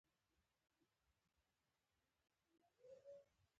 پر مجرمینو جبري کارونه کېدل.